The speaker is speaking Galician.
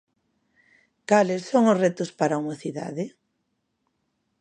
Cales son os retos para a mocidade?